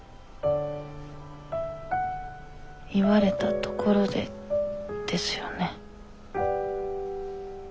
言われたところでですよね。